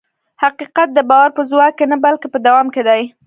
حقیقت د باور په ځواک کې نه، بلکې په دوام کې دی.